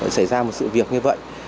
xảy ra một sự việc như vậy